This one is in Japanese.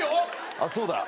あっそうだ。